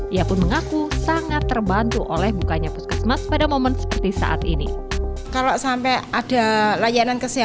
ia pun mengaku sangat terbantu oleh bukanya puskesmas pada momen seperti saat ini